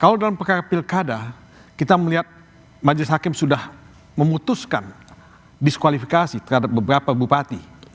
kalau dalam perkara pilkada kita melihat majelis hakim sudah memutuskan diskualifikasi terhadap beberapa bupati